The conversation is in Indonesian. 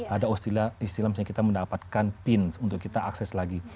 ada istilah misalnya kita mendapatkan pins untuk kita akses lagi